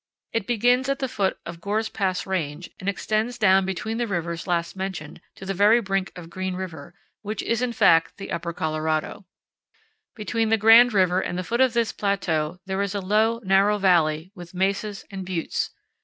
It begins at the foot of Gore's Pass Range and extends down between the rivers last mentioned to the very brink of Green River, which is in fact the upper Colorado. Between the Grand River and the powell canyons 33.jpg A NAVAJO BOY. 60 CANYONS OF THE COLORADO. foot of this plateau there is a low, narrow valley with mesas and buttes.